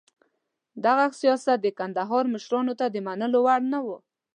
دغه سیاست د کندهار مشرانو ته د منلو وړ نه و.